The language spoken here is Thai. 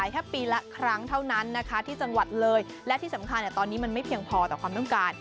แหละที่จังหวัดเลยและที่สำคัญให้ตอนนี้มันไม่เพียงใจไม่ต้องการ